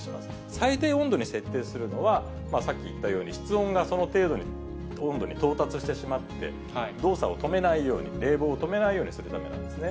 最低温度に設定するのは、さっき言ったように、室温がその温度に到達してしまって動作を止めないように、冷房を止めないようにするためなんですね。